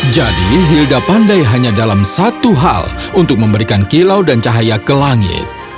jadi hilda pandai hanya dalam satu hal untuk memberikan kilau dan cahaya ke langit